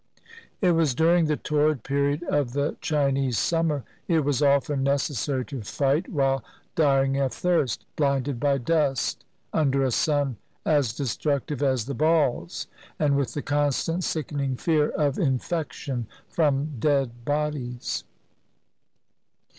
It was during the torrid period of the Chinese summer; it was often necessary to fight while dying of thirst, blinded by dust, under a sun as destructive as the balls, and with the constant sickening fear of infection from dead bodies.